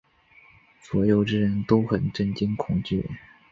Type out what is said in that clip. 左右之人都很震惊恐惧。